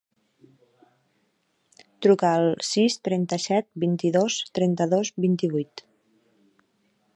Truca al sis, trenta-set, vint-i-dos, trenta-dos, vint-i-vuit.